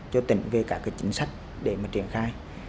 cho tỉnh về các cái chính sách để mà triển khai